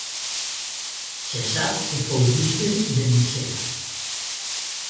Se sap que fou bisbe de Nicea.